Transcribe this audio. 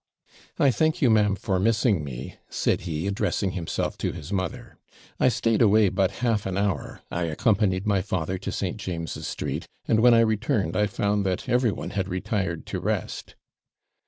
'I thank you, ma'am, for missing me,' said he, addressing himself to his mother; 'I stayed away but half an hour; I accompanied my father to St. James's Street, and when I returned I found that every one had retired to rest.'